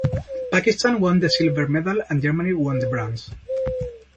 Pakistan won the silver medal, and Germany won the bronze.